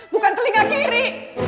bukan telinga kiri